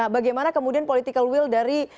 bagaimana kemudian political will dari